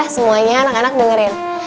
semuanya anak anak dengerin